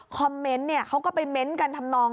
เมนต์เขาก็ไปเม้นต์กันทำนอง